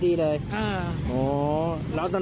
เสียใจครับ